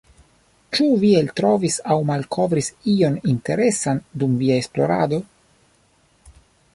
Ĉu vi eltrovis aŭ malkovris ion interesan dum via esplorado?